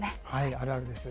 あるあるです。